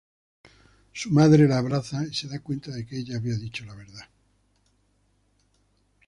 Su madre la abraza y se da cuenta que ella había dicho la verdad.